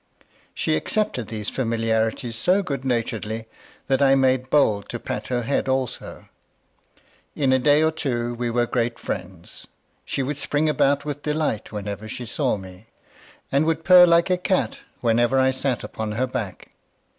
She accepted these familiarities so good naturedly that I made bold to pat her head also. In a day or two we were great friends; she would spring about with delight whenever she saw me, and would purr like a cat whenever I sat upon her back.